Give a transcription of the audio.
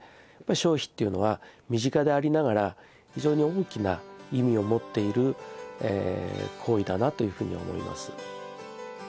消費っていうのは身近でありながら非常に大きな意味を持っている行為だなというふうに思います。